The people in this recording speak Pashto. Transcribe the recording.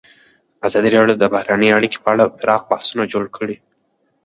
ازادي راډیو د بهرنۍ اړیکې په اړه پراخ بحثونه جوړ کړي.